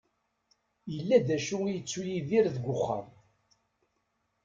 Yella d acu i yettu Yidir deg wexxam.